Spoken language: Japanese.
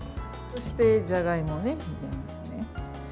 そして、じゃがいもを入れます。